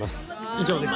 以上です。